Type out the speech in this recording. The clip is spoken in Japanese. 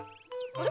あれ？